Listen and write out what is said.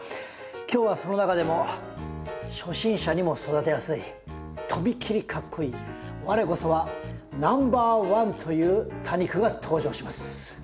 今日はその中でも初心者にも育てやすいとびっきりかっこイイ我こそはナンバーワンという多肉が登場します。